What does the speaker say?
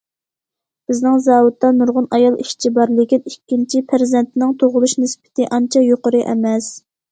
« بىزنىڭ زاۋۇتتا نۇرغۇن ئايال ئىشچى بار، لېكىن ئىككىنچى پەرزەنتنىڭ تۇغۇلۇش نىسبىتى ئانچە يۇقىرى ئەمەس».